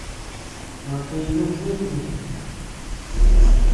No tíyu kuid yuntu.